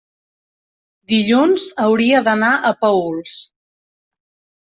dilluns hauria d'anar a Paüls.